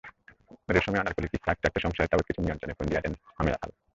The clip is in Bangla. রেশমে আনারকলির কিসসা আঁকতে আঁকতে সংসারের তাবৎকিছু নিয়ন্ত্রণের ফন্দি আঁটেন হামেহাল।